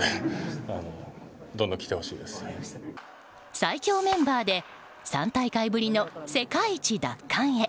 最強メンバーで３大会ぶりの世界一奪還へ。